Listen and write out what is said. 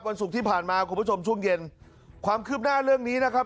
ศุกร์ที่ผ่านมาคุณผู้ชมช่วงเย็นความคืบหน้าเรื่องนี้นะครับ